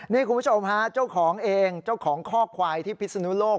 นี่คุณผู้ชมฮะเจ้าของเองเจ้าของข้อควายที่พิศนุโลก